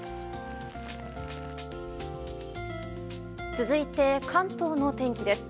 続いて、関東の天気です。